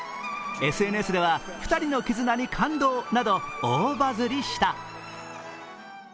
ＳＮＳでは２人の絆に大感動など大バズリした。